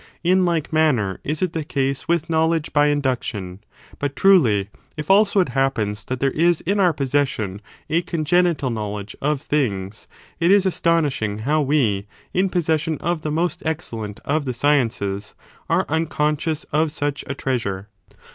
In like manner is it the case with knowledge by induction. But, truly, if also it happens that there is in our possession a congenital knowledge of things, it is astonishing how we, in possession of the most excellent of the sciences, are imconscious of such a treasure.